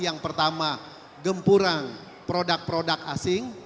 yang pertama gempurang produk produk abang